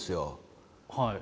はい。